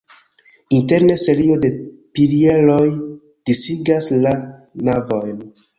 Interne serio de pilieroj disigas la navojn.